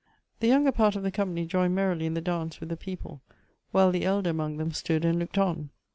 The younger part of the company joined merrily in the dance with the people, while the elder among them stood and looked on.